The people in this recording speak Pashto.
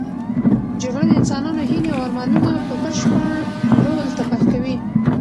جګړه د انسانانو هیلې او ارمانونه په بشپړ ډول تباه کوي.